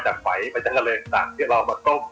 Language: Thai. จากไฟจากตั้งที่เรามาซ่อม